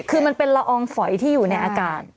คือมันเป็นละอองฝอยที่อยู่ในอากาศ